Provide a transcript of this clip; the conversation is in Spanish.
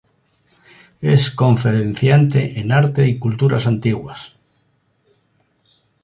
Es conferenciante en Arte y culturas antiguas.